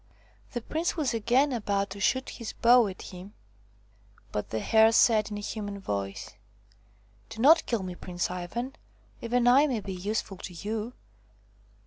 The prince was again about to shoot his bow at him, but the Hare said in a human voice :" Do not kill me, Prince Ivan. Even I may be useful to you."